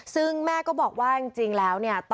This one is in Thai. ซึ่งแม่ก็บอกว่าจริงแล้วเนี่ย